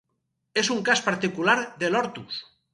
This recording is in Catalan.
És un cas particular de l'ortus.